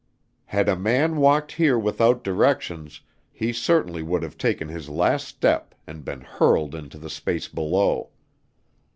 Had a man walked here without directions, he certainly would have taken this last step and been hurled into the space below.